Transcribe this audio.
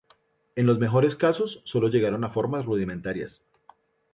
En los mejores casos solo llegaron a formas rudimentarias.